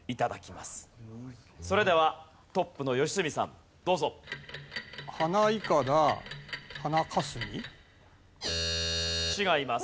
それではトップの良純さんどうぞ。違います。